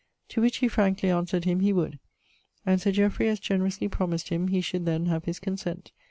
To which he frankly answered him he would, and Sir Jeoffry as generously promised him he should then have his consent.